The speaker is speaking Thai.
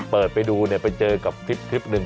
เปิดไปดูไปเจอกับคลิปหนึ่ง